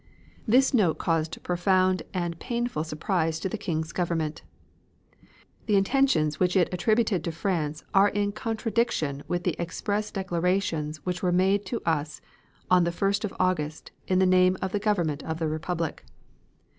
This note caused profound and painful surprise to the King's Government. The intentions which it attributed to France are in contradiction with the express declarations which were made to us on the 1st of August, in the name of the government of the republic.